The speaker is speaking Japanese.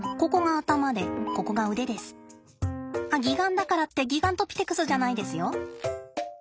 あっ擬岩だからってギガントピテクスじゃないですよ。